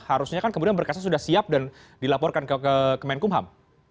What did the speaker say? harusnya kan kemudian berkasnya sudah siap dan dilaporkan ke kemenkumham